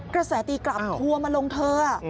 กระแสตีกลับทัวร์มาลงเธอ